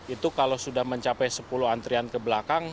itu kalau sudah mencapai sepuluh antrian ke belakang